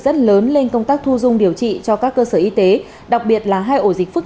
rất lớn lên công tác thu dung điều trị cho các cơ sở y tế đặc biệt là hai ổ dịch phức